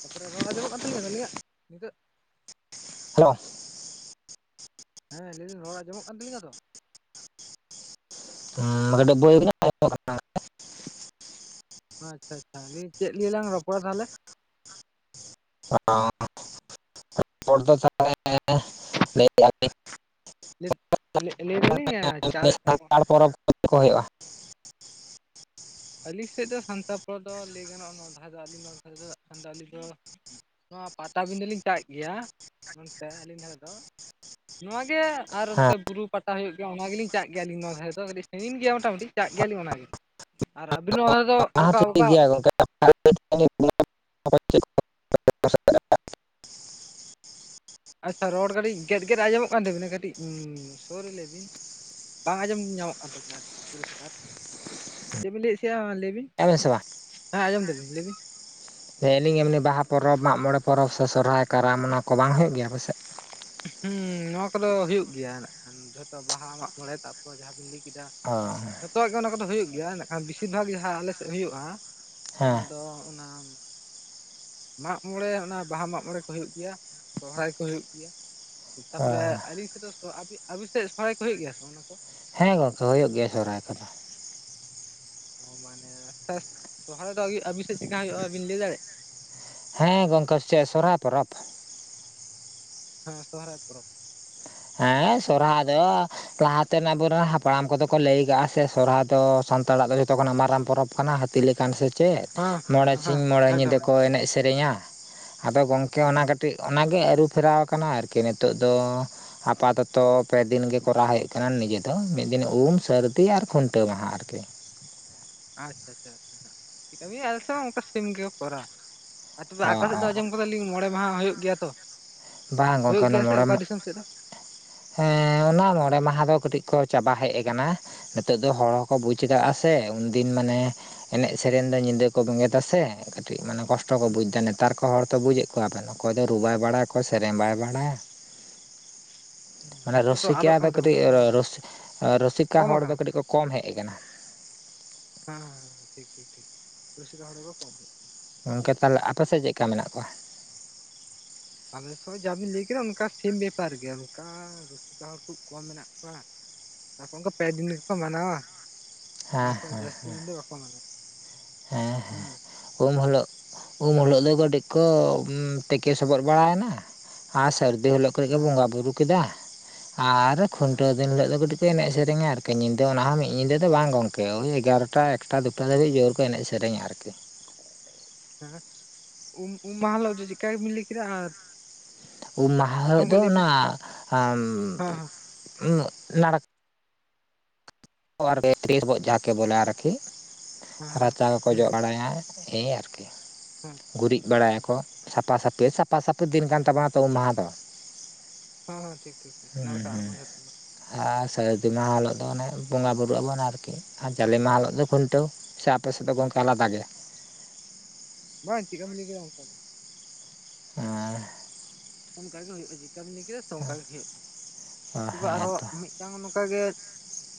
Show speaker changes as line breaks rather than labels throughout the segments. ᱛᱟᱯᱚᱨᱮ ᱨᱚᱲ ᱟᱡᱚᱢᱚᱜ ᱠᱟᱱ ᱛᱟᱹᱞᱤᱧᱟ ᱟᱹᱞᱤᱧᱭᱟᱜ ᱱᱤᱛᱳᱜ
ᱦᱮᱞᱳ
ᱦᱮᱸ ᱞᱟᱹᱭᱟᱹᱧ ᱨᱚᱲ ᱟᱸᱡᱚᱢᱚᱜ ᱠᱟᱱ ᱛᱞᱤᱧᱟ ᱛᱚ
[inaudible] ᱦ ᱠᱟᱹᱴᱤᱡ ᱵᱳᱭ [unintelligible] ᱠᱟᱱᱟ
ᱟᱪᱪᱷᱟ ᱟᱪᱷᱟ ᱞᱤᱧ ᱪᱮᱫ ᱞᱟᱝ ᱨᱚᱲᱟ ᱛᱟᱦᱚᱞᱮ
ᱨᱚᱯᱚᱲ ᱫᱚ ᱛᱟᱦᱚᱞᱮ [unintelligible] ᱞᱟᱹᱭᱮᱜᱼᱟᱧ
[unintelligible] ᱞᱮᱵ ᱜᱮ ᱪᱟᱨ
ᱞᱤᱧ ᱥᱟᱱᱛᱟᱲ ᱯᱚᱨᱚᱵᱽ ᱠᱚ [unintelligible] ᱦᱩᱭᱩᱜᱼᱟ
ᱟᱹᱞᱤᱧ ᱥᱮᱫ ᱫᱚ ᱥᱟᱱᱛᱟᱲ ᱠᱚ ᱫᱚ ᱞᱟᱹᱭ ᱜᱟᱱᱚᱜᱼᱟ ᱱᱚᱣᱟ ᱫᱷᱟᱱ ᱫᱚ [unintelligible] ᱱᱚᱣᱟ ᱯᱟᱴᱟᱵᱤᱱᱫᱷᱟᱹ ᱞᱤᱧ ᱪᱟᱜᱮᱫ ᱜᱮᱭᱟ ᱢᱮᱱᱛᱮ ᱟᱹᱞᱤᱧ ᱴᱷᱮᱫ ᱫᱚ ᱱᱚ ᱜᱮ ᱟᱨ
ᱦᱮᱸ
ᱮᱚᱱᱛᱮ ᱵᱩᱨᱩ ᱯᱟᱴᱟ ᱦᱩᱭᱩᱜ ᱜᱮᱭᱟ ᱚᱱᱟ ᱜᱮᱞᱤᱧ ᱪᱟᱜ ᱜᱮᱭᱟ ᱟᱹᱞᱤᱧ ᱱᱚᱣᱟ [unintelligible] ᱫᱷᱟᱨ ᱫᱚ ᱟᱹᱰᱤ ᱦᱤᱱ ᱜᱮ ᱢᱚᱴᱟᱼᱢᱩᱴᱤ ᱪᱟᱜ ᱜᱮᱭᱟᱞᱤᱧ ᱚᱱᱟᱜᱮ ᱟᱨ ᱟᱹᱵᱤᱱ ᱫᱚ
[unintelligible] ᱚᱱᱟ
ᱚᱠᱟ
ᱴᱷᱤᱠ [unintelligible]
ᱚᱠᱟ
ᱜᱮᱭᱟ ᱜᱚᱝᱠᱮ [unintelligible]
ᱟᱪᱪᱷᱟ ᱨᱚᱲ ᱠᱟᱹᱴᱤᱡ ᱜᱮᱫ ᱜᱮᱫ ᱟᱸᱡᱚᱢᱚᱜ ᱠᱟᱱ ᱛᱟᱹᱵᱤᱱᱟ ᱠᱟᱹᱴᱤᱡ ᱥᱳᱩᱨ ᱨᱮ ᱞᱟᱹᱭ ᱵᱤᱱ ᱵᱟᱝ ᱟᱸᱡᱚᱢ ᱧᱟᱢᱚᱜ ᱠᱟᱱ ᱛᱟᱹᱵᱤᱱᱟ ᱟᱨᱠᱤ ᱯᱚᱨᱤᱥᱠᱟᱨ ᱪᱮᱫ ᱵᱤᱱ ᱞᱟᱹᱭᱮᱫ ᱥᱮᱼᱟ ᱞᱟᱹᱭ ᱵᱤᱱ
[unintelligible] ᱥᱮ ᱵᱟᱝ
ᱦᱮᱸᱡᱚᱢ ᱫᱞᱤᱧ ᱞᱟᱹᱭ ᱵᱤᱱ
ᱦᱮᱸ ᱟᱹᱞᱤᱧ ᱮᱢᱱᱤ ᱵᱟᱦᱟ ᱯᱚᱨᱚᱵᱽ ᱢᱟᱜ ᱢᱚᱬᱮ ᱯᱚᱨᱚᱵᱽ ᱥᱮ ᱥᱚᱨᱚᱨᱟᱭ ᱠᱟᱨᱟᱢ ᱚᱱᱟ ᱠᱚ ᱵᱟᱝ ᱦᱩᱭᱩᱜ ᱜᱮᱭᱟ ᱯᱪᱮᱡ
ᱦᱮᱸ ᱱᱚᱣᱟ ᱠᱚᱫᱚ ᱦᱩᱭᱩᱜ ᱜᱮᱭᱟ ᱱᱟᱜ ᱠᱷᱟᱱ ᱡᱷᱚᱛᱚ ᱵᱟᱦᱟ ᱢᱟᱜ ᱢᱚᱬᱮ ᱛᱟᱯᱚᱨ ᱡᱟᱦᱟᱸ ᱵᱤᱱ ᱞᱟᱹᱭ [unintelligible] ᱟ
ᱚ
ᱡᱷᱚᱛᱚᱣᱟᱜ ᱜᱮ ᱚᱱᱟ ᱠᱚᱫᱚ ᱦᱩᱭᱩᱜ ᱜᱮᱭᱟ ᱢᱮᱱᱠᱷᱟᱱ ᱵᱮᱥᱤᱨ ᱵᱷᱟᱜᱽ ᱡᱟᱦᱟᱸ ᱟᱞᱮ ᱥᱮᱫ ᱦᱩᱭᱩᱜᱼᱟ
ᱦᱮᱸ
ᱚᱱᱟ ᱫᱚ ᱚᱱᱟ ᱢᱟᱜ ᱢᱚᱬᱮ ᱚᱱᱟ ᱵᱟᱦᱟ ᱢᱟᱜ ᱢᱚᱬᱮ ᱠᱚ ᱦᱩᱭᱩᱜ ᱜᱮᱭᱟ ᱥᱚᱦᱨᱟᱭ ᱠᱚ ᱦᱩᱭᱩᱜ ᱜᱮᱭᱟ
ᱚ
ᱛᱟᱯᱚᱨᱮ ᱟᱹᱞᱤᱧ ᱥᱮᱫ ᱫᱚ ᱟᱵᱤᱱ ᱥᱮᱫ ᱥᱚᱦᱨᱟᱭ ᱠᱚ ᱦᱩᱭᱩᱜ ᱜᱮᱭᱟ ᱥᱮ ᱚᱱᱟ ᱠᱚ
ᱦᱮᱸ ᱜᱚᱝᱠᱮ ᱦᱩᱭᱩᱜ ᱜᱮᱭᱟ ᱥ ᱥᱚᱨᱦᱟᱭ ᱠᱚᱫᱚ
ᱚ ᱢᱟᱱᱮ ᱟᱪᱷᱟ ᱥᱚᱦᱚᱨᱟᱭ ᱫᱚᱩ ᱟᱹᱵᱤᱱ ᱥᱮᱫ ᱪᱮᱫ ᱞᱮᱠᱟ ᱦᱩᱭᱩᱜᱼᱟᱵᱤᱱ ᱞᱟᱹᱭ ᱫᱟᱲᱮᱭᱟᱜᱼᱟ
ᱦᱮᱸ ᱜᱚᱝᱠᱮ ᱪᱮᱫ ᱥᱚᱨᱚᱦᱚᱨᱟᱭ ᱯᱚᱨᱚᱵᱽ
ᱦᱮᱸ ᱥᱚᱦᱚᱨᱟᱭ ᱯᱚᱨᱚᱵᱽ
ᱦᱮᱸ ᱥᱚᱨᱦᱟᱭ ᱫᱚ ᱞᱟᱦᱟ ᱛᱮᱱ ᱟᱵᱚ ᱨᱮᱱ ᱦᱟᱯᱲᱟᱢ ᱠᱚᱫᱚ ᱠᱚ ᱞᱟᱹᱭ ᱠᱟᱜ-ᱟ ᱥᱮ ᱥᱚᱨᱦᱟᱭ ᱫᱚ ᱥᱟᱱᱛᱟᱲᱟᱜ ᱫᱚ ᱡᱚᱛᱚ ᱠᱷᱚᱱᱟᱜ ᱢᱟᱨᱟᱝ ᱯᱚᱨᱚᱵᱽ ᱠᱟᱱᱟ ᱦᱟᱹᱛᱤ ᱞᱮᱠᱟᱱ ᱥᱮ ᱪᱮᱫ
ᱦᱮᱸ
ᱢᱚᱬᱮ
ᱦᱮᱸ ᱦᱮᱸ
ᱥᱤᱧ ᱢᱚᱬᱮ
ᱮᱠᱫᱚᱢ
ᱧᱤᱫᱟᱹ ᱠᱚ
ᱮᱠᱫᱚᱢ
ᱮᱱᱮᱡ ᱥᱮᱨᱮᱧᱟ ᱟᱫᱚ ᱜᱚᱝᱠᱮ
ᱦᱩᱸ
ᱚᱱᱟ ᱠᱟᱹᱴᱤᱡ ᱴᱤᱡ ᱚᱱᱟ ᱜᱮ ᱟᱹᱨᱩᱯᱷᱮᱨᱟᱣ ᱟᱠᱟᱱᱟ ᱟᱨᱠᱤ ᱱᱤᱛᱚᱜ ᱫᱚ ᱟᱯᱟᱛᱚᱛᱚ ᱯᱮ ᱫᱤᱱ ᱜᱮ ᱠᱚᱨᱟᱣ ᱦᱩᱭᱩᱜ ᱠᱟᱱᱟᱱ ᱱᱤᱡᱮ ᱫᱚ ᱢᱤᱫ ᱫᱤᱱ ᱩᱢ ᱥᱟᱹᱨᱫᱤ ᱟᱨ ᱠᱷᱩᱱᱴᱟᱹᱣ ᱢᱟᱦᱟ ᱟᱨᱠᱤ
ᱟᱪᱪᱷᱟ ᱟᱪᱪᱷᱟ [unintelligible] ᱟᱞᱮ ᱥᱮᱫ ᱦᱚᱸ ᱚᱱᱠᱟ ᱥᱮᱢ ᱜᱮᱠᱚ ᱠᱚᱨᱟᱣᱟ ᱟᱨ ᱛᱚᱵᱮ
ᱚ
ᱟᱠᱟ ᱥᱮᱫ
ᱚ
ᱫᱚ ᱟᱸᱡᱚᱢ ᱠᱟᱫᱟᱞᱤᱧ ᱢᱚᱬᱮ ᱢᱟᱦᱟ ᱦᱩᱭᱩᱜ ᱜᱮᱭᱟ ᱛᱚ
ᱵᱟᱝ ᱜᱚᱝᱠᱮ
ᱦᱩᱭᱩᱜ
ᱚᱱᱟ
ᱜᱮᱭᱟ ᱥᱮ ᱚᱠᱟ
ᱢᱚᱬᱮ
ᱫᱤᱥᱚᱢ ᱥᱮᱫ ᱫᱚ
ᱦᱮᱸ ᱚᱱᱟ ᱢᱚᱬᱮ ᱢᱟᱦᱟ ᱫᱚ ᱠᱟᱹᱴᱤᱡ ᱠᱚ ᱪᱟᱵᱟ ᱦᱮᱡ ᱠᱟᱱᱟ ᱱᱤᱛᱚᱜ ᱫᱚ ᱦᱚᱲ ᱦᱚᱸ ᱠᱚ ᱵᱩᱡᱽ ᱮᱫᱟᱜ-ᱟ ᱥᱮ ᱩᱱᱫᱤᱱ ᱢᱟᱱᱮ ᱮᱱᱮᱡ ᱥᱮᱨᱮᱧ ᱫᱚ ᱧᱤᱫᱟᱹ ᱠᱚ ᱵᱮᱸᱜᱮᱛ ᱥᱮ ᱠᱟᱹᱴᱤᱡ ᱢᱟᱱᱮ ᱠᱚᱥᱴᱚ ᱠᱚ ᱵᱩᱡᱽ ᱮᱫᱟ ᱱᱮᱛᱟᱨ ᱠᱚ ᱦᱚᱲᱛᱚ ᱵᱩᱡᱮᱫ ᱠᱚᱣᱟᱵᱮᱱ ᱚᱠᱚᱭ ᱫᱚ ᱨᱩ ᱵᱟᱭ ᱵᱟᱲᱟᱭᱟ ᱚᱠᱚᱭ ᱥᱮᱨᱮᱧ ᱵᱟᱭ ᱵᱟᱲᱟᱭᱟ ᱢᱟᱱᱮ
ᱡᱚᱛᱚ ᱛᱚ
ᱨᱩᱥᱤᱠᱟ
ᱟᱫᱚᱜ
ᱫᱚ
ᱠᱟᱱ ᱛᱟᱵᱚᱱᱟ
ᱠᱟᱹᱴᱤᱡ
ᱥᱮ ᱚᱱᱟ ᱠᱚ
ᱨᱩᱥᱤᱠᱟ
ᱠᱚᱢ
ᱦᱚᱲ ᱫᱚ
ᱟᱠᱟᱱᱟ
ᱠᱟᱹᱴᱤᱡ ᱠᱚ ᱠᱚᱢ ᱦᱮᱡ ᱟᱠᱟᱱᱟ᱾
ᱦᱮᱸ ᱴᱷᱤᱠ ᱴᱷᱤᱠ ᱴᱷᱤᱠ ᱨᱩᱥᱤᱠᱟ ᱦᱚᱲ ᱫᱚᱠᱚ ᱠᱚᱢ [unintelligible]
ᱜᱚᱝᱠᱮ ᱛᱟᱦᱚᱞᱮ ᱟᱯᱮ ᱥᱮᱫ ᱪᱮᱫ ᱞᱮᱠᱟ ᱢᱮᱱᱟᱜ ᱠᱚᱣᱟ?
ᱟᱞᱮ ᱥᱮᱫ ᱦᱚ ᱡᱟ ᱵᱤᱱ ᱞᱟᱹᱭ ᱠᱮᱫᱟ ᱚᱱᱠᱟ ᱥᱮᱢ ᱵᱮᱯᱟᱨ ᱜᱮ ᱚᱱᱠᱟ ᱨᱩᱥᱤᱠᱟ ᱦᱚᱲ ᱠᱷᱩᱵ ᱠᱚᱢ ᱢᱮᱱᱟᱜ ᱠᱚᱣᱟ ᱛᱟᱯᱚᱝᱜᱚ ᱯᱮ ᱫᱤᱱ ᱜᱮᱠᱚ ᱢᱟᱱᱟᱣᱟ ᱱᱚᱣᱟ ᱠᱚ ᱡᱟᱹᱥᱛᱤ ᱫᱤᱱ ᱫᱚ ᱵᱟᱠᱚ ᱢᱟᱱᱟᱣᱟ
ᱦᱮᱸᱦᱮᱸ
ᱦᱮᱸ
ᱩᱢ ᱦᱤᱞᱚᱜ ᱩᱢ ᱦᱤᱞᱚᱜ ᱫᱚ ᱠᱟᱹᱴᱤᱡ ᱠᱚ ᱛᱮᱠᱮ ᱥᱚᱵᱚᱫ ᱵᱟᱲᱟᱭᱱᱟ ᱟᱨ ᱥᱟᱹᱨᱫᱤ ᱦᱤᱞᱳᱜ ᱠᱚᱨᱮᱜ ᱜᱮ
ᱦᱮᱸ
ᱵᱚᱸᱜᱟ ᱵᱩᱨᱩ ᱠᱮᱫᱟ ᱟᱨ ᱠᱷᱩᱱᱴᱟᱹᱣ ᱫᱤᱱ ᱦᱤᱞᱳᱜ ᱫᱚ ᱠᱟᱹᱴᱤᱡ ᱠᱚ ᱮᱱᱮᱡ ᱥᱮᱨᱮᱧᱟ ᱟᱨᱠᱤ ᱧᱤᱫᱟᱹ ᱚᱱᱟ ᱦᱚᱸ ᱢᱤᱫ ᱧᱤᱫᱟᱹ ᱫᱚ ᱵᱟᱝ ᱜᱚᱝᱠᱮ ᱳᱭ ᱮᱜᱟᱨᱚᱴᱟ ᱮᱠᱴᱟ ᱫᱩᱴᱟ ᱫᱷᱟᱹᱵᱤᱡ ᱡᱳᱨ ᱠᱚ ᱮᱱᱮᱡ ᱥᱮᱨᱮᱧᱟ ᱟᱨᱠᱤ
ᱩᱸᱦᱩᱸᱜ ᱩᱢ ᱩᱢ ᱢᱟᱦᱟ ᱦᱤᱞᱳᱜ ᱫᱚ ᱪᱮᱫᱠᱟ ᱜᱮᱵᱤᱱ ᱞᱟᱹᱭ ᱠᱮᱫᱟ ᱟᱨ
ᱩᱢ ᱢᱟᱦᱟ
ᱯᱨᱚᱛᱷᱚᱢ
ᱦᱤᱞᱳᱜ ᱫᱚ
ᱠᱷᱚᱡ ᱞᱟᱹᱭ ᱵᱤᱱ
ᱚᱱᱟ
ᱦᱮᱸ ᱦᱮᱸ
[unintelligible] ᱞᱟᱱᱠᱟ [unintelligible] ᱵᱚᱞᱮ ᱟᱨᱠᱤ
ᱦᱮᱸ ᱦᱮᱸ
ᱨᱟᱪᱟ ᱠᱚᱠᱚ
ᱦᱩᱸ
ᱡᱚᱜ
ᱦᱩᱸ
ᱵᱟᱲᱟᱭᱟ ᱮᱭ
ᱦᱮᱸ
[unintelligible] ᱜᱩᱨᱤᱡ ᱵᱟᱲᱟᱭ ᱟᱠᱚ ᱥᱟᱯᱷᱟ ᱥᱟᱹᱯᱷᱤ ᱥᱟᱯᱷᱟ ᱥᱟᱹᱯᱷᱤ ᱫᱤᱱ ᱠᱟᱱ ᱛᱟᱵᱚᱱᱟ ᱛᱚ ᱩᱢ ᱢᱟᱦᱟ ᱫᱚ
ᱦᱚᱸ ᱴᱷᱤᱠ ᱴᱷᱤᱠ ᱴᱷᱤᱠ
ᱦᱩᱸ
ᱱᱟᱲᱠᱟ
ᱦᱩᱸ
ᱟᱵᱚ ᱡᱷᱚᱛᱚ ᱦᱚᱲ
ᱟᱨ ᱥᱟᱹᱨᱫᱤ ᱢᱟᱦᱟ ᱦᱤᱞᱳᱜ ᱫᱚ ᱚᱱᱮ ᱵᱚᱸᱜᱟ ᱵᱩᱨᱩᱜ ᱟᱵᱚᱱ ᱟᱨᱠᱤ ᱟᱨ ᱡᱟᱞᱮ ᱢᱟᱦᱟ ᱦᱤᱞᱳᱜ ᱫᱚ ᱠᱷᱩᱱᱴᱟᱹᱣ ᱥᱮ ᱟᱯᱮ ᱥᱮᱫ ᱫᱚ ᱜᱚᱝᱠᱮ ᱟᱞᱟᱫᱟ ᱜᱮᱭᱟ
ᱵᱟᱝ ᱪᱮᱫ ᱞᱮᱠᱟ ᱵᱤᱱ ᱞᱟᱹᱭ ᱠᱮᱫᱟ ᱚᱱᱠᱟ ᱜᱮ
ᱦᱮᱸ
ᱚᱱᱠᱟ ᱜᱮ ᱦᱩᱭᱩᱜ-ᱟ ᱪᱤᱠᱠᱟ ᱵᱤᱱ ᱞᱟᱹᱭ ᱠᱮᱫᱟ ᱥᱮ ᱚᱱᱠᱟ ᱜᱮ ᱦᱩᱭᱩᱜ-ᱟ
ᱚ
ᱛᱚᱵᱮ
ᱦᱮᱸ
ᱟᱨᱚ
ᱛᱚ
ᱢᱤᱫᱴᱟᱝ ᱱᱚᱝᱠᱟ ᱜᱮ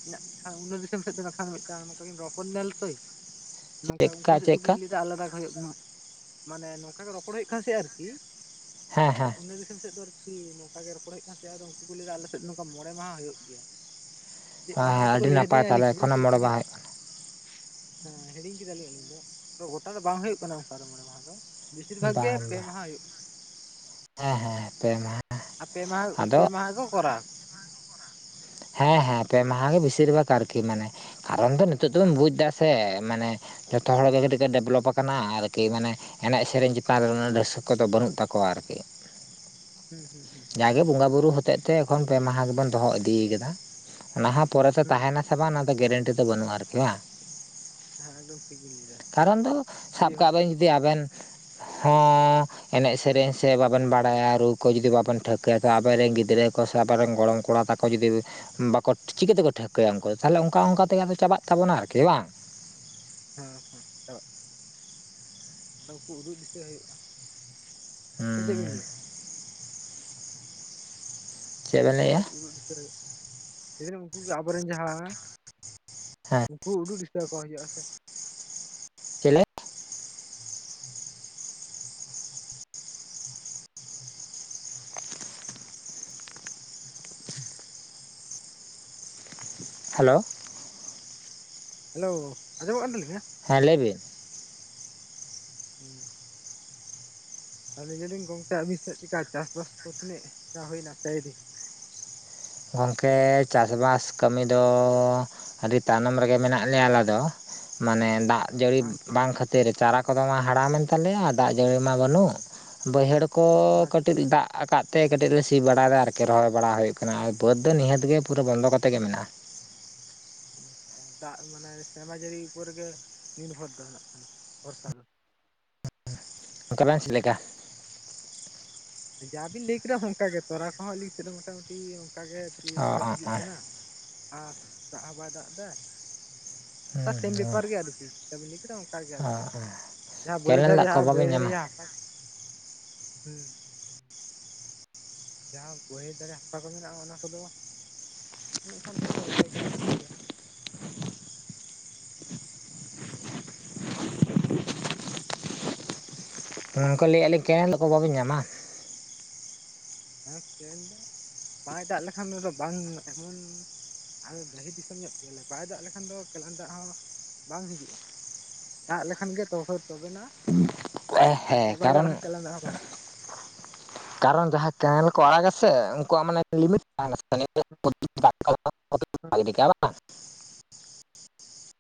[unintelligible] ᱱᱚᱝᱠᱟ
ᱪᱮᱫᱠᱟ
ᱩᱱᱠᱩ ᱥᱮᱫ
ᱪᱮᱫᱠᱟ
ᱫᱚᱠᱤᱱ ᱞᱟᱹᱭᱫᱟ ᱟᱞᱟᱫᱟ ᱜᱮ ᱦᱩᱭᱩᱜ ᱠᱟᱱᱟ ᱢᱟᱱᱮ ᱱᱚᱝᱠᱟ ᱜᱮ ᱨᱚᱯᱚᱲ ᱦᱩᱭᱩᱜ ᱠᱟᱱᱟ ᱥᱮ ᱟᱨᱠᱤ
ᱦᱮᱸ ᱦᱮᱸ
ᱟᱞᱮ ᱫᱤᱥᱚᱢ ᱥᱮᱫ ᱫᱚ ᱟᱨᱠᱤ ᱱᱚᱝᱠᱟ ᱜᱮ ᱨᱚᱯᱚᱲ ᱦᱩᱭᱩᱜ ᱠᱟᱱ ᱛᱮᱦᱮᱫ ᱟ ᱩᱱᱠᱩ ᱠᱚ ᱞᱟᱹᱭ ᱫᱟ ᱟᱞᱮ ᱥᱮᱫ ᱱᱚᱝᱠᱟ ᱢᱚᱬᱮ ᱢᱟᱦᱟ ᱦᱩᱭᱩᱜ ᱜᱮᱭᱟ ᱪᱮᱫ ᱢᱟᱦᱟ
ᱦᱮᱸ
ᱠᱚᱪᱚ ᱠᱚ
ᱟᱹᱰᱤ
ᱞᱟᱹᱭ
ᱱᱟᱯᱟᱭ
ᱟᱫᱤᱧᱟ ᱟᱨ ᱞᱤᱧ
ᱛᱟᱦᱚᱞᱮ
ᱦᱤᱲᱤᱧ
ᱮᱠᱷᱚᱱᱳ
ᱠᱮᱫᱟ ᱱᱤᱛ
ᱢᱚᱬᱮ
ᱛᱮᱜᱮ
ᱢᱟᱦᱟ
ᱦᱮᱸ ᱦᱤᱲᱤᱧ ᱠᱮᱫᱟ ᱞᱤᱧ ᱟᱹᱞᱤᱧ ᱫᱚ ᱛᱚ ᱜᱚᱴᱟ ᱫᱚ ᱵᱟᱝ ᱦᱩᱭᱩᱜ ᱠᱟᱱᱟ ᱚᱱᱠᱟ ᱫᱚ ᱢᱚᱬᱮ ᱢᱟᱦᱟ ᱫᱚ ᱵᱮᱥᱤᱨ ᱵᱷᱟᱜᱽ ᱜᱮ
ᱵᱟᱝ ᱵᱟᱝ
ᱯᱮ ᱢᱟᱦᱟ ᱦᱩᱭᱩᱜ
ᱦᱮᱸ ᱦᱮᱸ ᱯᱮ ᱢᱟᱦᱟ
ᱟᱨ ᱯᱮ ᱢᱟᱦᱟ
ᱟᱫᱚ
ᱯᱮ ᱢᱟᱦᱟ ᱠᱚ ᱠᱚᱨᱟᱣᱟ
ᱦᱮᱸ ᱦᱮᱸ ᱯᱮ ᱢᱟᱦᱟ ᱜᱮ ᱵᱮᱥᱤᱨ ᱵᱷᱟᱜᱽ ᱟᱨᱠᱤ ᱢᱟᱱᱮ ᱠᱟᱨᱚᱱ ᱫᱚ ᱱᱤᱛᱚᱜ ᱫᱚ ᱵᱚᱱ ᱵᱩᱡᱽ ᱮᱫᱟ ᱥᱮ ᱢᱟᱱᱮ ᱡᱚᱛᱚ ᱦᱚᱲ ᱜᱮ ᱠᱟᱹᱴᱤᱡ ᱰᱮᱵᱷᱞᱚᱯ ᱟᱠᱟᱱᱟ ᱟᱨᱠᱤ ᱢᱟᱱᱮ ᱮᱱᱮᱡ ᱥᱮᱨᱮᱧ ᱪᱮᱛᱟᱱ ᱨᱮ ᱩᱱᱟᱹᱜ ᱨᱟᱹᱥᱠᱟᱹ ᱫᱚ ᱵᱟᱹᱱᱩᱜ ᱛᱟᱠᱚᱣᱟ ᱟᱨᱠᱤ
[unintelligible] ᱦᱩᱸ ᱦᱩᱸ
ᱡᱟᱜᱮ
ᱮᱠᱫᱚᱢ
ᱵᱚᱸᱜᱟ ᱵᱩᱨᱩ ᱦᱚᱛᱮᱡ ᱛᱮ ᱮᱠᱷᱚᱱ ᱯᱮ ᱢᱟᱦᱟ ᱜᱮᱵᱚᱱ ᱫᱚᱦᱚ ᱤᱫᱤᱭ ᱟᱠᱟᱫᱟ ᱚᱱᱟ ᱦᱚᱸ ᱯᱚᱨᱮ ᱛᱮ
ᱦᱩᱸ
ᱛᱟᱦᱮᱱᱟ ᱥᱮ ᱵᱟᱝ ᱚᱱᱟ ᱫᱚ ᱜᱮᱨᱮᱱᱴᱤ ᱫᱚ ᱵᱟᱹᱱᱩᱜ-ᱟ ᱟᱨᱠᱤ ᱵᱟᱝ
ᱦᱮᱸ ᱮᱠᱫᱚᱢ ᱴᱷᱤᱠ ᱵᱤᱱ ᱞᱟᱹᱭᱫᱟ
ᱠᱟᱨᱚᱱ ᱫᱚ
ᱡᱮ
ᱥᱟᱵ
ᱦᱮᱸ
ᱠᱟᱜ ᱵᱮᱱ ᱡᱩᱫᱤ ᱟᱵᱮᱱ ᱦᱚᱸ ᱮᱱᱮᱡ ᱥᱮᱨᱮᱧ ᱥᱮ ᱵᱟᱵᱮᱱ ᱵᱟᱲᱟᱭᱟ ᱨᱩ ᱠᱚ ᱡᱩᱫᱤ ᱵᱟᱵᱮᱱ ᱴᱷᱟᱹᱣᱠᱟᱹ ᱭᱟ ᱛᱚ ᱟᱵᱮ ᱨᱮᱱ ᱜᱤᱫᱽᱨᱟᱹ ᱠᱚ ᱥᱮ ᱟᱯᱮ ᱨᱮᱱ ᱜᱚᱲᱚᱢ ᱠᱚᱼᱼ ᱲᱟ ᱛᱟᱠᱚ ᱡᱩᱫᱤ ᱵᱟᱠᱚ ᱴᱷᱤ ᱪᱤᱠᱟᱹ ᱛᱮᱠᱚ ᱴᱷᱟᱹᱣᱠᱟᱹ ᱭᱟ ᱩᱱᱠᱩ ᱛᱟᱦᱚᱞᱮ ᱚᱱᱠᱟ ᱚᱱᱠᱟ ᱛᱮᱜᱮ ᱟᱫᱚ ᱪᱟᱵᱟᱜ ᱛᱟᱵᱚᱱᱟ ᱟᱨ ᱠᱤ ᱵᱟᱝ᱾
ᱦᱮᱸ ᱛᱚ ᱪᱟᱵᱟᱜ, ᱟᱫᱚ ᱩᱱᱠᱩ ᱩᱫᱩᱜ ᱫᱤᱥᱟᱹ ᱦᱩᱭᱩᱜ-ᱟ᱾ ᱥᱮ ᱪᱮᱜ ᱵᱤᱱ
ᱦᱩᱸ
ᱞᱟᱹᱭᱟ?
ᱪᱮᱫ ᱵᱮᱱ
ᱩᱱᱠᱩ ᱦᱚᱸ
ᱞᱟᱹᱭᱮᱜᱼᱟ
ᱠᱟᱹᱴᱤᱡ ᱤᱫᱤᱜ ᱫᱤᱥᱟᱹ ᱦᱩᱭᱩᱜ-ᱟ ᱡᱮ ᱦᱮᱛᱩ ᱩᱱᱠᱩ ᱜᱮ ᱟᱵᱩ ᱨᱮᱱ ᱡᱟᱦᱟᱸᱼᱼ
ᱦᱮᱸ
ᱩᱱᱠᱩ ᱩᱫᱩᱜ ᱫᱤᱥᱟᱹ ᱟᱠᱚ ᱦᱩᱭᱩᱜ-ᱟ ᱥᱮᱼᱼ
ᱪᱮᱞᱮᱜᱼᱼ ᱦᱮᱞᱳ᱾
ᱦᱮᱞᱳ ᱟᱸᱡᱚᱢᱚᱜ ᱠᱟᱱ ᱛᱟᱹᱞᱤᱧᱟ?
ᱦᱮᱸ ᱞᱟᱹᱭ ᱵᱤᱱ᱾
ᱦᱩᱸ ᱦᱮᱸ ᱞᱟᱹᱭ ᱮᱫᱟ ᱞᱤᱧ ᱜᱚᱝᱠᱮ ᱟᱹᱵᱤᱱ ᱥᱮᱫ ᱪᱮᱫ ᱞᱮᱠᱟ ᱪᱟᱥᱵᱟᱥ ᱠᱚ ᱛᱤᱱᱟᱹᱜ ᱴᱟᱜ ᱦᱩᱭ ᱮᱱᱟ ᱥᱮ ᱟᱹᱣᱨᱤ
ᱜᱚᱝᱠᱮ ᱪᱟᱥᱼᱵᱟᱥ ᱠᱟᱹᱢᱤ ᱫᱚᱼᱼ ᱟᱹᱰᱤ ᱛᱟᱭᱱᱚᱢ ᱨᱮᱜᱮ ᱢᱮᱱᱟᱜ ᱞᱮᱭᱟ ᱟᱞᱮ ᱫᱚ ᱢᱟᱱᱮ ᱫᱟᱜᱼᱼ ᱡᱟᱹᱲᱤ ᱵᱟᱝ ᱠᱷᱟᱹᱛᱤᱨ ᱪᱟᱨᱟ ᱠᱚᱫᱚ ᱢᱟ ᱦᱟᱲᱟᱢᱮᱱ ᱛᱟᱞᱮᱭᱟ ᱫᱟᱜ ᱡᱟᱹᱲᱤ ᱢᱟ ᱵᱟᱹᱱᱩᱜ ᱵᱟᱹᱭᱦᱟᱹᱲᱼᱼ ᱠᱚ ᱠᱟᱹᱴᱤᱡ ᱫᱟᱜ ᱟᱠᱟᱫ ᱛᱮ ᱠᱟᱹᱴᱤᱡ ᱞᱮ ᱥᱤ ᱵᱟᱲᱟᱭ ᱮᱫᱟ ᱟᱨᱠᱤ ᱨᱚᱦᱚᱭ ᱵᱟᱲᱟ ᱦᱩᱭᱩᱜ ᱠᱟᱼᱼ ᱱᱟ ᱟᱨ ᱵᱟᱹᱫ ᱫᱚ ᱱᱤᱦᱟᱹᱛ ᱜᱮ ᱯᱩᱨᱟᱹ ᱵᱚᱱᱫᱚ ᱠᱟᱛᱮᱜ ᱜᱮ ᱢᱮᱱᱟᱜ-ᱟ᱾
ᱟ ᱱᱚᱠᱟ ᱫᱟᱜ ᱢᱟᱱᱮ ᱥᱮᱨᱢᱟ ᱡᱟᱹᱲᱤ ᱵᱷᱳᱨ ᱜᱮ ᱱᱤᱨᱵᱷᱚᱨ ᱫᱚ ᱦᱟᱜ ᱠᱷᱟᱱ ᱵᱷᱚᱨᱥᱟ ᱦᱟᱸᱜ᱾
ᱠᱟᱱᱟᱭ ᱪᱮ ᱞᱮᱠᱟᱼᱼ
ᱡᱟ ᱵᱤᱱ ᱞᱟᱹᱭ ᱠᱮᱫᱟ ᱚᱱᱠᱟ ᱜᱮ ᱛᱚᱞᱟ ᱠᱚᱦᱚᱸ ᱟᱹᱞᱤᱧ ᱥᱮᱜ ᱫᱚ ᱢᱚᱴᱟᱼᱢᱩᱴᱤᱼᱼ ᱚᱱᱠᱟ ᱜᱮ ᱟᱨ ᱠᱤ
ᱚ
ᱵᱚᱭᱮᱥ
ᱚ
ᱦᱤᱡᱩᱜ
ᱚ
ᱠᱟᱱᱟ ᱟᱨ ᱫᱟᱜ ᱦᱚᱸ ᱵᱟᱭ ᱫᱟᱜ ᱮᱫᱟ᱾ ᱚᱱᱠᱟ ᱥᱮᱢ ᱵᱮᱯᱟᱨ ᱜᱮ ᱟᱨᱠᱤ ᱡᱟᱦᱟᱸ ‌ᱵᱤᱱ ᱞᱟᱹᱭ ᱠᱮᱫᱟ ᱚᱱᱠᱟ‌ ᱜᱮ ᱟᱞᱮ
ᱚ
ᱥᱮᱜ᱾ ᱡᱟᱦᱟᱸ ᱵᱟᱹᱭᱦᱟᱹᱲ
ᱠᱮᱱᱮᱞ
ᱫᱷᱟᱨᱮ
ᱫᱟᱜ ᱠᱚ
ᱡᱟᱦᱟᱸ ᱵᱟᱹᱭᱦᱟᱹᱲ
ᱵᱟᱵᱮᱱ
ᱫᱷᱟᱨᱮ
ᱧᱟᱢᱟ
ᱭᱟᱜ ᱦᱟᱥᱟ ᱠᱚ, ᱦᱩᱸ᱾ ᱡᱟᱦᱟᱸ ᱵᱟᱹᱭᱦᱟᱹᱲ ᱫᱷᱟᱨᱮ ᱦᱟᱥᱟ ᱠᱚ ᱢᱮᱱᱟᱜ-ᱟ ᱚᱱᱟ ᱠᱚᱫᱚ ᱩᱸᱻᱱᱮᱜ ᱠᱷᱟᱱ ᱛᱮᱫᱚ ᱠᱚ ᱨᱚᱦᱚᱭ ᱟᱠᱟᱫᱟ ᱡᱮᱛᱮ ᱜᱮ᱾ ᱴᱷᱤᱠ ᱴᱷᱤᱠ᱾
ᱜᱚᱝᱠᱮ ᱞᱟᱹᱭᱮᱜ ᱟᱹᱞᱤᱧ ᱠᱮᱱᱮᱞ ᱫᱟᱜ ᱠᱚ ᱵᱟᱵᱤᱱ ᱧᱟᱢᱟ?
ᱦᱮᱸ ᱠᱮᱱᱮᱞ ᱫᱟᱜ ᱵᱟᱭ ᱫᱟᱜ ᱞᱮᱠᱷᱟᱱ ᱫᱚ ᱟᱫᱚ ᱵᱟᱝ ᱮᱢᱚᱱᱼᱼ ᱟᱞᱮ ᱫᱚ ᱰᱟᱹᱦᱤ ᱫᱤᱥᱚᱢ ᱧᱚᱜ ᱜᱮᱭᱟ ᱞᱮ ᱵᱟᱭ ᱫᱟᱜ ᱞᱮᱠᱷᱟᱱ ᱫᱚ ᱠᱮᱱᱮᱞ ᱫᱟᱜ ᱦᱚᱸ ᱵᱟᱝ ᱦᱤᱡᱩᱜ-ᱟ᱾ ᱫᱟᱜ ᱞᱮᱠᱷᱟᱱ ᱜᱮ ᱛᱚ ‌ᱦᱚᱭ ᱛᱚᱵᱮᱱᱟ ᱵᱷᱟᱜᱤ
ᱦᱮᱸ
ᱧᱚᱜ ᱵᱟᱭ ᱫᱟᱜ
ᱠᱟᱨᱚᱱ
ᱞᱮᱠᱷᱟᱱ ᱠᱮᱱᱮᱞ ᱫᱟᱜ ᱦᱚᱸ ᱵᱟᱝ ᱦᱤᱡᱩᱜᱼᱟ
ᱠᱟᱨᱚᱱ ᱡᱟᱦᱟᱸ ᱠᱮᱱᱮᱞ ᱠᱚ ᱟᱲᱟᱜᱟ ᱥᱮ ᱩᱱᱠᱩᱣᱟᱜ ᱢᱟᱱᱮ ᱞᱤᱢᱤᱴ ᱛᱟᱦᱮᱱᱟ [unintelligible] ᱜᱤᱰᱤ ᱠᱟᱜ-ᱟ ᱵᱟᱝ᱾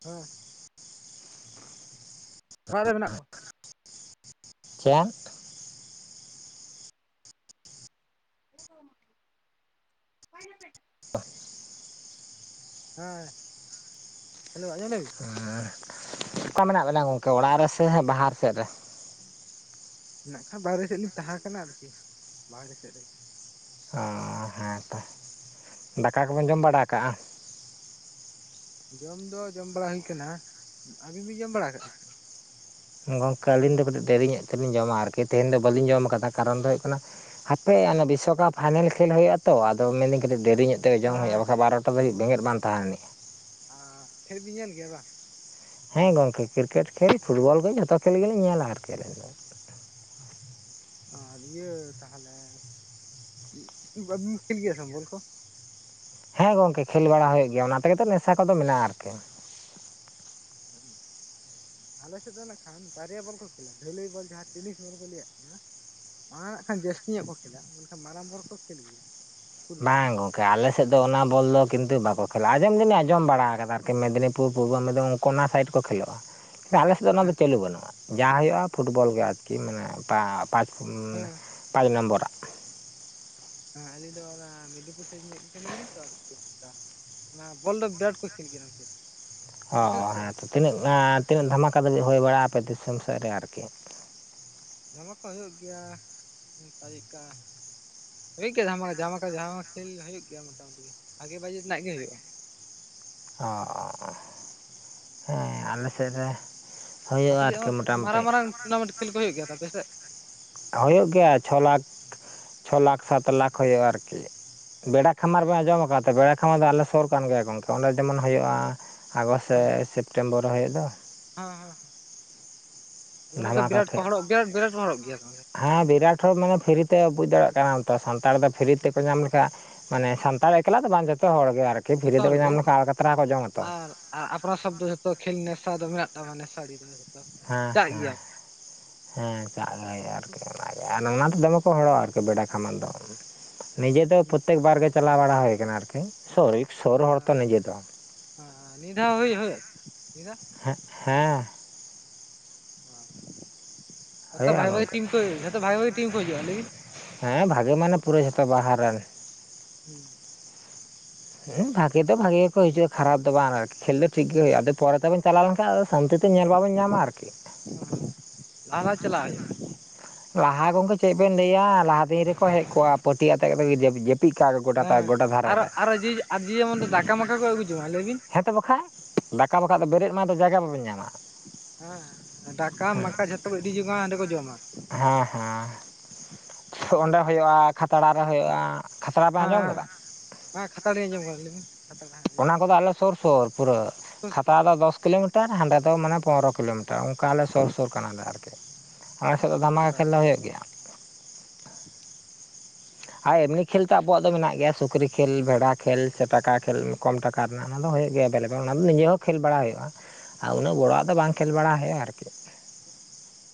ᱦᱮᱸ᱾ ᱚᱲᱟᱜ ᱨᱮ ᱢᱮᱱᱟᱜ ᱠᱚᱣᱟ᱾
ᱪᱮᱫ?
ᱮ ᱜᱳ ᱚᱠᱟᱭ ᱮᱱᱟᱯᱮ?
[unintelligible]
ᱦᱮᱸ ᱦᱮᱞᱳ ᱟᱸᱡᱚᱢ ᱫᱟᱵᱤ
ᱟᱸ ᱚᱠᱟ ᱢᱮᱱᱟᱜ ᱵᱮᱱᱟ ᱜᱚᱝᱠᱮ ᱚᱲᱟᱜ ᱨᱮᱥᱮ ‌ᱦᱟᱸᱜ ᱵᱟᱦᱟᱨ ᱥᱮᱜ ᱨᱮ?
ᱮᱱᱟᱜ ᱠᱷᱟᱡ ᱵᱟᱦᱨᱮ ᱥᱮᱜ ᱞᱤᱧ ᱛᱟᱦᱮᱸ ᱠᱟᱱᱟ ᱟᱨᱠᱤ ᱵᱟᱦᱨᱮ ᱥᱮᱜ ᱨᱮ᱾
ᱚ ᱦᱮᱸᱛᱚ ᱫᱟᱠᱟ ᱠᱚᱵᱮᱱ ᱡᱚᱢ ᱵᱟᱲᱟ ᱠᱟᱜ-ᱟ?
ᱡᱚᱢ ᱫᱚ ᱡᱚᱢ ᱵᱟᱲᱟ ᱦᱩᱭ ᱠᱟᱱᱟ, ᱟᱵᱤᱱ ᱵᱤᱱ ᱡᱚᱢ ᱵᱟᱲᱟ ᱠᱟᱜ-ᱟ?
ᱜᱚᱝᱠᱮ ᱟᱹᱞᱤᱧ ᱫᱚ ᱠᱟᱹᱴᱤᱡ ᱫᱮᱨᱤ ᱧᱚᱜ ᱛᱮᱞᱤᱧ ᱡᱚᱢᱟ ᱟᱨᱠᱤ ᱛᱮᱦᱮᱧ ᱫᱚ ᱵᱟᱹᱞᱤᱧ ᱡᱚᱢ ᱠᱟᱫᱟ ᱠᱟᱨᱚᱱ ᱫᱚ ᱦᱩᱭᱩᱜ ᱠᱟᱱᱟ᱾ ᱦᱟᱯᱮ ᱟᱱᱮ ᱵᱤᱥ ᱪᱷᱚᱠᱟ
ᱦᱮᱸ
ᱯᱷᱟᱭᱱᱮᱞ ᱠᱷᱮᱞ ᱦᱩᱭᱩᱜ-ᱟ ᱛᱚ ᱟᱫᱚ ᱢᱮᱱ ᱫᱟᱹᱧ ᱠᱟᱹᱴᱤᱡ ᱫᱮᱨᱤ ᱧᱚᱜ ᱛᱮ ᱡᱚᱢ ᱦᱩᱭᱩᱜ-ᱟ
ᱦᱮᱸ
ᱵᱟᱠᱷᱟᱡ ᱵᱟᱨᱚᱴᱟ ᱫᱷᱟᱹᱵᱤᱡ ᱵᱮᱸᱜᱮᱫ ᱵᱟᱝ ᱛᱟᱦᱮᱱᱟ᱾
ᱚᱸᱻ ᱠᱷᱮᱞ ᱵᱤᱱ ᱧᱮᱞ ᱜᱮᱭᱟ ᱵᱟᱝ?
ᱦᱮᱸ ᱜᱚᱝᱠᱮ ᱠᱤᱨᱠᱮᱴ ᱠᱷᱮᱞ ᱯᱷᱩᱴᱵᱚᱞ ᱜᱮ ᱡᱚᱛᱚ ᱠᱷᱮᱞ ᱜᱮᱞᱤᱧ ᱧᱮᱞᱟ ᱟᱨᱠᱤ ᱟᱹᱞᱤᱧ ᱫᱚ᱾
ᱟᱨ ᱤᱭᱟᱹ ᱛᱟᱦᱚᱞᱮ ᱩᱸᱜ ᱵᱟᱹᱵᱤᱱ ᱠᱷᱮᱞ ᱜᱮᱭᱟ ᱥᱮ ᱵᱚᱞ ᱠᱚ?
ᱦᱮᱸ ᱜᱚᱝᱠᱮ ᱠᱷᱮᱞ ᱵᱟᱲᱟ ᱦᱩᱭᱩᱜ ᱜᱮᱭᱟ ᱚᱱᱟ ᱛᱮᱜᱮ ᱛᱚ ᱢᱮᱥᱟ ᱠᱚᱫᱚ ᱢᱮᱱᱟᱜ-ᱟ ᱟᱨᱠᱤ᱾
[unintelligible] ᱟᱞᱮ ᱥᱮᱜ ᱫᱚ ᱱᱟᱜ ᱠᱷᱟᱱ ᱵᱟᱨᱭᱟ ᱵᱚᱞ ᱠᱚ ᱠᱷᱮᱞᱟ ᱰᱟᱹᱞᱟᱹᱭ ᱵᱚᱞ ᱡᱟᱦᱟᱸ ᱛᱤᱱᱤᱥ ᱵᱚᱞ ᱠᱚ ᱞᱟᱹᱭᱟᱜ ᱠᱟᱱᱟ᱾ ᱱᱟᱜ ᱠᱷᱟᱱ ᱡᱟᱹᱥᱛᱤ ᱧᱚᱜ ᱠᱚ ᱠᱷᱮᱞᱟ ᱢᱮᱱᱠᱷᱟᱱ ᱢᱟᱨᱟᱝ ᱵᱚᱨ ᱠᱚ ᱠᱷᱮᱞ ᱜᱮᱭᱟ᱾ ᱯᱷᱩᱴᱵᱚᱞ
ᱵᱟᱝ ᱜᱚ ᱟᱞᱮᱥᱮᱫ ᱫᱚ ᱚᱱᱟ ᱵᱚᱞ ᱫᱚ ᱠᱤᱱᱛᱩ ᱵᱟᱠᱚ ᱠᱷᱮᱞᱟ-ᱟ ᱟᱡᱚᱢ ᱫᱩᱞᱤᱧ ᱟᱸᱡᱚᱢ ᱵᱟᱲᱟ ᱟᱠᱟᱫᱟ ᱟᱨᱠᱤ ᱢᱮᱫᱽᱱᱤᱯᱩᱨ ᱯᱩᱨᱵᱚ ᱢᱮᱫᱽᱱᱤᱯᱩᱨ ᱠᱚᱱᱟ ᱥᱟᱭᱤᱰ ᱠᱚ ᱠᱷᱮᱞᱳᱜ-ᱟ ᱾ ᱟᱞᱮ ᱥᱮᱫ ᱫᱚ ᱚᱱᱟ ᱫᱚ
ᱦᱮᱸ
ᱪᱟᱹᱞᱩ ᱵᱟᱹᱱᱩᱜ-ᱟ ᱡᱟᱦᱟᱸ ᱦᱩᱭᱩᱜ-ᱟ ᱯᱷᱩᱴᱵᱚᱞ ᱜᱮ ᱟᱨᱠᱤ ᱢᱟᱱᱮ ᱯᱟᱪ ᱯᱟᱪ
ᱦᱮᱸ
ᱱᱚᱢᱵᱚᱨᱟᱜ
ᱦᱮᱸ ᱟᱹᱞᱤᱧ ᱫᱚ ᱚᱱᱟ ᱢᱮᱰᱤᱯᱩᱨ ᱥᱟᱭᱤᱡ ᱧᱮᱡ ᱠᱟᱱᱟᱞᱤᱧ ᱛᱚ ᱟᱨᱠᱤ ᱚᱱᱟ ᱵᱚᱞ ᱫᱚ ᱵᱤᱨᱟᱴ ᱠᱚ ᱠᱷᱮᱞ ᱜᱮᱭᱟ
ᱚ
ᱵᱤᱥᱮᱥ
ᱦᱮᱸ
ᱠᱚᱨᱮ
ᱛᱚ ᱛᱤᱱᱟᱹᱜ ᱛᱤᱱᱟᱹᱜ ᱫᱷᱟᱢᱟᱠᱟ ᱫᱷᱟᱹᱵᱤᱡ ᱦᱩᱭ ᱵᱟᱲᱟᱜ-ᱟ ᱟᱯᱮ ᱫᱤᱥᱚᱢ ᱥᱮᱫ ᱨᱮ ᱟᱨᱠᱤ
ᱫᱷᱟᱢᱟᱠᱟ ᱠᱚ ᱦᱩᱭᱩᱜ ᱜᱮᱭᱟ ᱚᱱᱠᱟ ᱞᱮᱠᱟ ᱦᱩᱭᱩᱜ ᱜᱮᱭᱟ ᱡᱟᱦᱟ ᱫᱷᱟᱢᱟᱠᱟ ᱡᱟᱦᱟ ᱠᱷᱮᱞ ᱦᱩᱭᱩᱜ ᱜᱮᱭᱟ ᱢᱚᱴᱟᱢᱩᱴᱤ ᱵᱷᱟᱜᱮ ᱵᱟᱡᱮᱴ ᱨᱮᱱᱟᱜ ᱜᱮ ᱦᱩᱭᱩᱜ-ᱟ ᱾
ᱚ ᱦᱮᱸ ᱟᱞᱮ ᱥᱮᱫ ᱨᱮ ᱦᱩᱭᱩᱜᱼᱟ
ᱟᱯᱮᱥᱮᱫ
ᱟᱨᱠᱤ
ᱦᱚᱸ ᱢᱟᱨᱟᱝ
ᱢᱚᱴᱟᱢᱩᱴᱤ
ᱢᱟᱨᱟᱝ ᱴᱩᱨᱱᱟᱢᱮᱱᱴ ᱠᱷᱮᱞ ᱠᱚ ᱦᱩᱭᱩᱜ ᱜᱮᱭᱟ ᱛᱚ ᱟᱯᱮᱥᱮᱫ?
ᱦᱩᱭᱩᱜ ᱜᱮᱭᱟ ᱪᱷᱚ ᱞᱟᱠ ᱪᱷᱚ ᱞᱟᱠ ᱥᱟᱛ ᱞᱟᱠᱷ ᱦᱩᱭᱩᱜ-ᱟ ᱟᱨᱠᱤ ᱵᱮᱲᱟ ᱠᱷᱟᱢᱟᱨ ᱵᱮᱱ ᱟᱸᱡᱚᱢ ᱟᱠᱟᱫᱟ ᱛᱚ ᱵᱮᱲᱟ ᱠᱷᱟᱢᱟᱨ ᱫᱚ ᱟᱞᱮ ᱥᱩᱨ ᱠᱟᱱ ᱜᱮᱭᱟ ᱜᱚᱝᱠᱮ ᱚᱸᱰᱮ ᱡᱮᱢᱚᱱ ᱦᱩᱭᱩᱜ-ᱟ ᱾ ᱟᱜᱚᱥᱴ ᱥᱮ
ᱦᱮᱸ
ᱥᱮᱯᱴᱮᱢᱵᱚᱨ ᱨᱮ ᱦᱩᱭᱩᱜ ᱫᱚ
ᱦᱮᱸ ᱦᱮᱸ ᱚᱱᱚ
ᱫᱷᱟᱢᱟᱠᱟ
ᱵᱤᱨᱟᱴ ᱠᱚ
ᱠᱷᱮᱞ
ᱦᱚᱨᱚᱜ ᱵᱤᱨᱟᱴ ᱵᱤᱨᱟᱴ ᱠᱚ ᱦᱚᱨᱚᱜ ᱜᱮᱭᱟ ᱛᱟᱦᱮ
ᱦᱮᱸ ᱵᱤᱨᱟᱴ ᱦᱚᱸ ᱢᱟᱱᱮ ᱯᱷᱤᱨᱤᱛᱮ ᱵᱩᱡᱽ ᱫᱟᱲᱮᱭᱟᱜ ᱠᱟᱱᱟ ᱛᱚ ᱥᱟᱱᱛᱟᱲ ᱫᱚ ᱯᱷᱤᱨᱤ ᱛᱮᱠᱚ ᱧᱟᱢ ᱞᱮᱠᱷᱟᱱ ᱢᱟᱱᱮ ᱥᱟᱱᱛᱟᱲ ᱮᱠᱞᱟ ᱫᱚ ᱵᱟᱝ ᱡᱚᱛᱚ ᱦᱚᱲ ᱜᱮ ᱟᱨᱠᱤ ᱯᱷᱤᱨᱤ
ᱡᱷᱚᱛᱚ ᱦᱚᱲ
ᱫᱚ
ᱜᱮ
ᱧᱟᱢ ᱞᱮᱠᱷᱟᱱ ᱟᱲ ᱠᱟᱛᱲᱟ ᱠᱚ ᱡᱚᱢ ᱟᱛᱚ
ᱟᱨ ᱟᱨ ᱟᱯᱱᱟᱨ ᱥᱚᱵᱽ ᱫᱚ ᱡᱚᱛᱚ ᱠᱷᱮᱞ ᱱᱮᱥᱟ ᱫᱚ ᱢᱮᱱᱟᱜ-ᱟ ᱱᱮᱥᱟᱹᱲᱤ ᱫᱚ ᱾
ᱦᱮᱸ ᱦᱮᱸ ᱦᱮᱸ ᱪᱟᱜ ᱟᱨᱠᱤ ᱚᱱᱟᱜ ᱚᱱᱟᱛᱮ ᱫᱚᱢᱮ ᱠᱚ ᱦᱚᱲᱚᱜ-ᱟ ᱟᱨᱠᱤ ᱵᱮᱲᱟ ᱠᱷᱟᱢᱟᱨ ᱫᱚ ᱱᱤᱡᱮ ᱫᱚ
ᱦᱩᱸ
ᱯᱨᱚᱛᱛᱮᱠ ᱵᱟᱨ ᱜᱮ ᱪᱟᱞᱟᱣ ᱵᱟᱲᱟ ᱦᱩᱭᱩᱜ ᱟᱨᱠᱤ ᱥᱚᱨ ᱥᱩᱨ ᱦᱚᱲ ᱛᱚ ᱱᱤᱡᱮ ᱫᱚ
ᱦᱮ ᱱᱤᱭᱟᱹ ᱫᱷᱟᱶ ᱦᱩᱭ ᱦᱩᱭᱩᱜ-ᱟ ᱱᱤᱭᱟᱫᱷᱟᱣ
ᱦᱮᱸ ᱦᱮᱸ
ᱡᱚᱛᱚ
ᱦᱩᱭᱩᱜᱼᱟ
ᱵᱷᱟᱜᱤ ᱵᱷᱟᱜᱤ
ᱜᱚᱝᱠᱮ
ᱴᱤᱢ ᱠᱚ ᱡᱚᱛᱚ ᱵᱷᱟᱜᱤ ᱵᱷᱟᱜᱤ ᱴᱤᱢ ᱠᱚ ᱦᱤᱡᱩᱜ-ᱟ ᱞᱟᱹᱭ ᱵᱤᱱ
ᱦᱮᱸ ᱵᱷᱟᱜᱤ ᱢᱟᱱᱮ ᱯᱩᱨᱟᱹ ᱡᱷᱚᱛᱚ ᱵᱟᱦᱟ ᱨᱮᱱ
ᱦᱩ
ᱦᱸ ᱵᱷᱟᱜᱤ ᱫᱚ ᱵᱷᱟᱜᱤ ᱜᱮᱠᱚ ᱦᱤᱡᱩᱜᱼᱟ ᱠᱷᱟᱨᱟᱯ ᱫᱚ ᱵᱟᱝ ᱟᱨ ᱠᱷᱮᱞ ᱫᱚ ᱴᱷᱤᱠ ᱜᱮ ᱦᱩᱭᱩᱜ-ᱟ ᱟᱫᱚ ᱯᱚᱨᱮ ᱛᱮᱵᱚᱱ ᱪᱟᱞᱟᱣ ᱞᱮᱱᱠᱷᱟᱱ ᱥᱟᱱᱛᱤᱛᱮ ᱧᱮᱞ ᱵᱟᱵᱤᱱ ᱧᱟᱢᱟ ᱟᱨᱠᱤ
ᱞᱟᱦᱟ ᱞᱟᱦᱤ ᱪᱟᱞᱟᱜ ᱦᱩᱭᱩᱜ-ᱟ ᱾
ᱞᱟᱦᱟ ᱜᱚᱝᱠᱮ ᱪᱮᱫ ᱵᱮᱱ ᱞᱟᱹᱭᱟ ᱞᱟᱦᱟ ᱫᱤᱱ ᱨᱮᱠᱚ ᱦᱮᱡ ᱠᱚᱜ-ᱟ ᱯᱟᱹᱴᱭᱟᱹ ᱟᱛᱮ ᱛᱤᱡ ᱠᱟᱜ ᱜᱮ ᱜᱚᱴᱟ
ᱦᱮᱸ
ᱜᱚᱰᱟ ᱫᱷᱟᱨᱮ
ᱟᱨᱚ
ᱨᱮ
ᱟᱨᱚ ᱡᱮ ᱟᱨ ᱡᱮᱢᱚᱱ ᱫᱚ ᱫᱟᱠᱟ ᱢᱟᱠᱟ ᱠᱚ ᱟᱹᱜᱩ ᱡᱚᱝᱟ ᱞᱟᱹᱭᱵᱤᱱ
ᱦᱮᱸᱛᱚ ᱵᱟᱠᱷᱟᱡ ᱫᱟᱠᱟ ᱵᱟᱠᱷᱟᱡ ᱫᱚ ᱵᱮᱨᱮᱫ ᱢᱟᱫᱚ ᱡᱟᱭᱜ-ᱟ ᱵᱟᱵᱚᱱ ᱧᱟᱢᱟ ᱾
ᱦᱮᱸ ᱫᱟᱠᱟ ᱢᱟᱠᱟ ᱡᱷᱚᱛᱚ ᱠᱚ ᱤᱫᱤ ᱡᱚᱝ-ᱟ ᱦᱟᱸᱰᱮ ᱠᱚ ᱡᱚᱢᱟ ᱾
ᱦᱮᱸ ᱦᱮᱸ ᱚᱸᱰᱮ ᱦᱩᱭᱩᱜᱼᱟ, ᱠᱷᱟᱛᱲᱟ ᱨᱮ ᱦᱩᱭᱩᱜᱼᱟ ᱾
ᱦᱮᱸ ᱦᱮᱸ ᱦᱮᱸ ᱠᱷᱟᱛᱲᱤ ᱟᱸᱡᱚᱢ ᱠᱟᱫᱟ ᱞᱮᱭ ᱵᱤᱱ ᱠᱷᱟᱛᱲᱟ ᱦᱮᱸ ᱟᱸᱡᱚᱢ
ᱚᱱᱟ ᱠᱚᱫᱚ ᱟᱞᱮ ᱥᱳᱨ ᱥᱳᱩᱨ ᱯᱩᱨᱟᱹ ᱠᱷᱟᱛᱲᱟ ᱫᱚ ᱫᱚᱥ ᱠᱤᱞᱳᱢᱤᱴᱟᱨ ᱦᱟᱸᱰᱮ ᱫᱚ ᱢᱟᱱᱮ ᱯᱚᱱᱨᱚ ᱠᱤᱞᱳᱢᱤᱴᱟᱨ᱾ ᱛᱚ ᱚᱱᱠᱟ ᱟᱞᱮ ᱥᱩᱨ ᱥᱩᱨ ᱠᱟᱱᱟᱞᱮ ᱟᱨᱠᱤ ᱟᱞᱮ ᱥᱮᱫ ᱫᱚ ᱫᱷᱟᱢᱟᱠᱟ
ᱠᱟᱫᱟᱞᱤᱧ
ᱠᱷᱮᱞ ᱞᱮ ᱦᱩᱭᱩᱜ ᱜᱮᱭᱟ ᱾
[inaudible]
ᱟᱨ ᱮᱢᱱᱤ ᱠᱷᱮᱞ ᱛᱚ ᱟᱵᱚᱣᱟᱜ ᱫᱚ ᱢᱮᱱᱟᱜ ᱜᱮᱭᱟ ᱥᱩᱠᱨᱤ ᱠᱷᱮᱞ ᱵᱷᱮᱰᱟ ᱠᱷᱮᱞ ᱥᱮ ᱴᱟᱠᱟ ᱠᱷᱮᱞ ᱠᱚᱢ ᱴᱟᱠᱟ ᱨᱮᱱᱟᱜ ᱚᱱᱟ ᱫᱚ ᱦᱩᱭᱩᱜ ᱜᱮᱭᱟ ᱮᱵᱮᱞᱮᱵᱮᱞ ᱚᱱᱟ ᱫᱚ ᱱᱤᱡᱮ ᱦᱚᱸ ᱠᱷᱮᱞ ᱵᱟᱲᱟ ᱦᱩᱭᱩᱜᱼᱟ ᱾ ᱟᱨ ᱩᱱᱟᱹᱜ ᱵᱚᱲᱚ ᱟᱜ ᱫᱚ ᱵᱟᱝ ᱠᱷᱮᱞ ᱵᱟᱲᱟ ᱦᱩᱭᱩᱜᱼᱟ ᱟᱨᱠᱤ᱾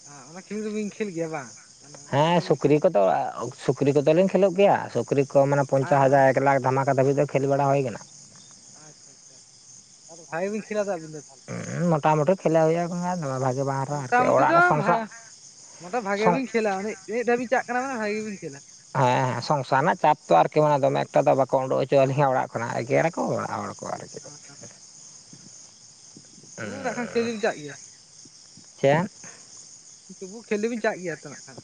ᱟ ᱚᱱᱟ ᱠᱷᱮᱞ ᱫᱚᱵᱤᱱ ᱠᱷᱮᱞ ᱜᱮᱭᱟ ᱵᱟᱝ? ᱢᱟᱱᱮ
ᱦᱮᱸ
ᱯᱷᱩᱴᱵᱚᱞ ᱵᱤᱱ ᱠᱷᱮᱞ
ᱥᱩᱠᱨᱤ
ᱜᱮᱭᱟ
ᱠᱚᱫᱚ ᱥᱩᱠᱨᱤ ᱠᱚᱫᱚᱞᱤᱧ ᱠᱷᱮᱞᱳᱜ ᱜᱮᱭᱟ ᱥᱩᱠᱨᱤ ᱠᱚ ᱢᱟᱱᱮ ᱯᱚᱧᱪᱟᱥ ᱦᱟᱡᱟᱨ ᱮᱠ ᱞᱟᱠᱷ ᱫᱷᱟᱢᱟ ᱠᱟ ᱫᱷᱟᱹᱵᱤᱡ ᱫᱚ ᱠᱷᱮᱞ ᱵᱟᱲᱟ ᱦᱩᱭ ᱟᱠᱟᱱᱟ ᱾
ᱟᱪᱪᱷᱟ ᱟᱪᱪᱷᱟ ᱟᱫᱚ ᱵᱷᱟᱜᱮ ᱵᱤᱱ ᱠᱷᱮᱞᱟ ᱟᱹᱵᱤᱱ ᱫᱚ ᱛᱟᱦᱚᱞᱮ?
ᱩᱸ ᱢᱚᱴᱟ ᱢᱩᱴᱤ ᱠᱷᱮᱞᱟ ᱦᱩᱭᱩᱜᱼᱟ, ᱫᱚᱢᱮ ᱵᱷᱟᱜᱤ
ᱢᱚᱴᱟᱢᱩᱴᱤ ᱫᱚ ᱵᱷᱟ ᱢᱚᱴᱟ ᱵᱷᱟᱜᱮ
ᱦᱮᱸ
ᱵᱤᱱ ᱠᱷᱮᱞᱟ ᱤᱱᱟᱹᱜ ᱫᱷᱟᱣᱵᱤᱱ ᱪᱟᱜ ᱠᱟᱱᱟ ᱢᱟᱱᱮ ᱵᱷᱟᱜᱮ ᱜᱮᱵᱤᱱ ᱠᱷᱮᱞᱟ᱾
ᱦᱮᱸ ᱥᱚᱝᱥᱟᱨ ᱨᱮᱱᱟᱜ ᱪᱟᱯ ᱛᱚ ᱟᱨᱠᱤ ᱫᱚᱢᱮ ᱮᱠᱴᱟ ᱫᱚ ᱵᱟᱠᱚ ᱩᱰᱳᱜ ᱚᱪᱚᱣᱟᱞᱤᱧᱟ ᱚᱲᱟᱜ ᱠᱷᱚᱱᱟᱜ ᱮᱜᱮᱨ ᱟᱠ ᱚᱲᱟᱜ ᱦᱚᱲ ᱠᱚ ᱟᱨᱠᱤ
[unintelligible] ᱛᱩᱵᱩ ᱱᱟᱜᱠᱷᱟᱱ ᱠᱷᱮᱞ ᱫᱚᱞᱤᱧ ᱪᱟᱜ ᱜᱮᱭᱟ?
ᱪᱮᱫ
ᱛᱩᱵᱩ ᱠᱷᱮᱞ ᱥᱚᱵᱤᱱ ᱪᱟᱜ ᱜᱮᱭᱟ ᱛᱚ ᱱᱟᱜ ᱠᱷᱟᱱ?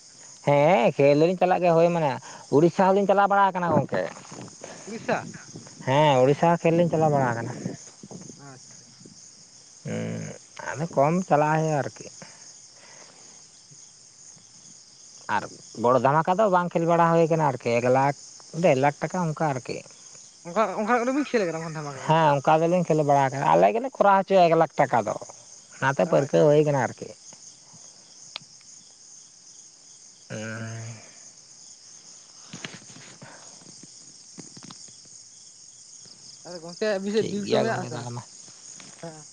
ᱦᱮᱸ ᱠᱷᱮᱞ ᱫᱚᱞᱤᱧ ᱪᱟᱞᱟᱜ ᱜᱮ ᱦᱳᱭ ᱢᱟᱱᱮ ᱩᱲᱤᱥᱥᱟ ᱦᱚᱸᱞᱤᱧ ᱪᱟᱞᱟᱣ ᱵᱟᱲᱟ ᱠᱟᱱᱟ ᱜᱚᱝᱠᱮ᱾
ᱩᱲᱤᱥᱥᱟ
ᱦᱮᱸ ᱩᱲᱤᱥᱥᱟ ᱦᱚ ᱠᱷᱮᱞ ᱞᱤᱧ ᱪᱟᱞᱟᱣ ᱵᱟᱲᱟ ᱠᱟᱱᱟ᱾
ᱟᱪᱪᱷᱟ ᱪᱷᱟ
ᱩᱸ ᱟᱫᱚ ᱠᱚᱢ ᱪᱟᱞᱟᱜ ᱦᱩᱭᱩᱜᱼᱟ ᱟᱨᱠᱤ᱾
[inaudible]
ᱟᱨ ᱵᱚᱲᱚ ᱫᱷᱟᱢᱟᱠᱟ ᱫᱚ ᱵᱟᱝ ᱠᱷᱮᱞ ᱵᱟᱲᱟ ᱦᱩᱭ ᱟᱠᱟᱱᱟ ᱟᱨᱠᱤ, ᱮᱠ ᱞᱟᱠ ᱰᱮᱲ ᱞᱟᱠᱷ ᱴᱟᱠᱟ ᱚᱱᱠᱟ ᱟᱨᱠᱤ᱾
ᱚᱱᱠᱟ ᱚᱱᱠᱟ ᱠᱚᱨᱮ ᱵᱤᱱ ᱠᱷᱮᱞ ᱠᱟᱱᱟ ᱵᱟᱝ ᱫᱷᱟᱢᱟᱠᱟ ᱠᱚᱨᱮ
ᱦᱮᱸ ᱚᱠᱟ ᱫᱚᱞᱤᱧ ᱠᱷᱮᱞᱳ ᱵᱟᱲᱟ ᱟᱠᱟᱫᱟ ᱟᱞᱮ ᱜᱮᱞᱮ ᱠᱚᱨᱟᱣ ᱦᱚᱪᱚᱭᱟ ᱮᱠᱞᱟᱠᱷ ᱴᱟᱠᱟ ᱫᱚ, ᱚᱱᱟᱛᱮ
ᱟᱪᱪᱷᱟ
ᱯᱟᱹᱨᱠᱟᱹᱣ ᱦᱩᱭ ᱟᱠᱟᱱᱟ ᱟᱨᱠᱤ ᱾ ᱦᱮᱸ
ᱜᱚᱝᱠᱮ ᱟᱵᱤᱱ ᱥᱮᱫ
ᱴᱷᱤᱠ
ᱵᱤᱨ ᱠᱚ
ᱜᱮᱭᱟ
ᱢᱮᱱᱟᱜ-ᱟ
ᱜᱚᱢᱠᱮ
ᱥᱮ ᱵᱟᱝ
ᱛᱟᱦᱚᱞᱮ ᱢᱟ
ᱦᱮᱸ?